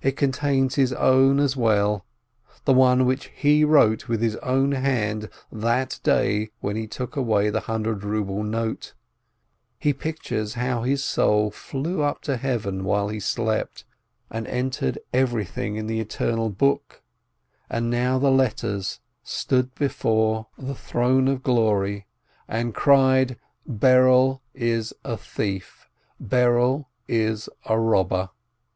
It contains his own as well, the one which he wrote with his own hand that day when he took away the hundred ruble note. He pictures how his soul flew up to Heaven while he slept, and entered everything in the eternal book, and now the letters stood before the YOM KIPPUE 205 Throne of Glory, and cried, "Berel is a thief, Berel is a robber!"